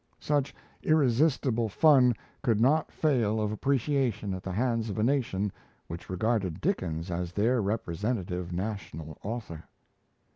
Such irresistible fun could not fail of appreciation at the hands of a nation which regarded Dickens as their representative national author.